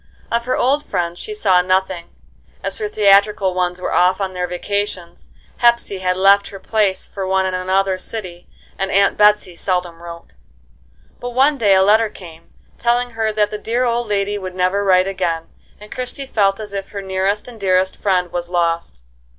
Of her old friends she saw nothing, as her theatrical ones were off on their vacations, Hepsey had left her place for one in another city, and Aunt Betsey seldom wrote. But one day a letter came, telling her that the dear old lady would never write again, and Christie felt as if her nearest and dearest friend was lost.